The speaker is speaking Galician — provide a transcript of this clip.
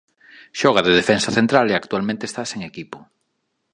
Xoga de defensa central e actualmente está sen equipo.